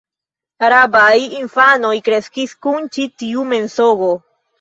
Arabaj infanoj kreskis kun ĉi tiu mensogo.